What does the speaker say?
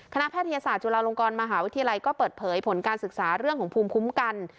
แพทยศาสตร์จุฬาลงกรมหาวิทยาลัยก็เปิดเผยผลการศึกษาเรื่องของภูมิคุ้มกัน